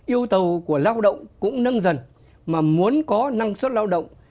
yêu cầu của lao động cũng nâng dần mà muốn có năng suất lao động